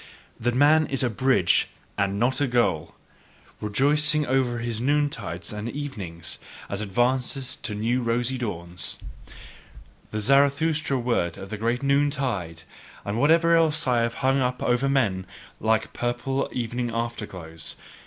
That man is a bridge and not a goal rejoicing over his noontides and evenings, as advances to new rosy dawns: The Zarathustra word of the great noontide, and whatever else I have hung up over men like purple evening afterglows.